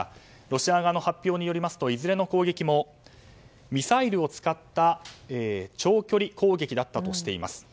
ロシア側の発表によりますといずれの攻撃もミサイルを使った長距離攻撃だったとしています。